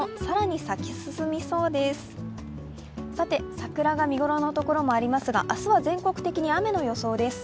桜が見頃のところもありますが、明日は全国的に雨の予想です。